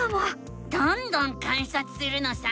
どんどん観察するのさ！